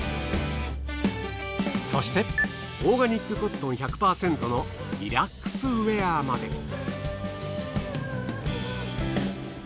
そしてオーガニックコットン１００％のリラックスウェアまで。